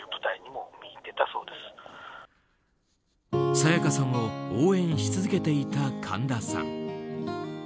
沙也加さんを応援し続けていた神田さん。